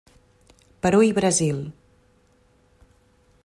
Perú i Brasil.